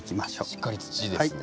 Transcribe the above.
しっかり土ですね。